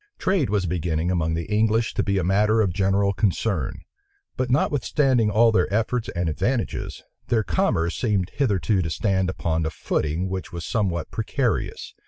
Trade was beginning among the English to be a matter of general concern; but notwithstanding all their efforts and advantages, their commerce seemed hitherto to stand upon a footing which was somewhat precarious.